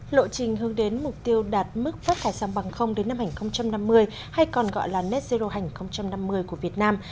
lộ trình hướng đến mục tiêu đạt mức phát thải xăm bằng không đến năm hai nghìn năm mươi hay còn gọi là net zero hành hai nghìn năm mươi của việt nam